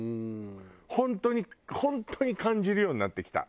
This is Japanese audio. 本当に本当に感じるようになってきた。